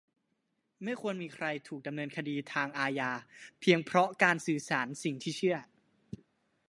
- ไม่ควรมีใครถูกดำเนินคดีทางอาญาเพียงเพราะการสื่อสารสิ่งที่เชื่อ